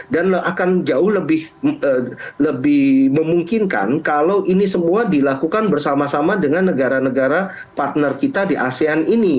dan akan jauh lebih memungkinkan kalau ini semua dilakukan bersama sama dengan negara negara partner kita di asean ini